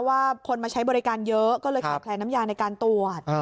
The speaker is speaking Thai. ว่าคนมาใช้บริการเยอะก็เลยขาดแคลนน้ำยาในการตรวจ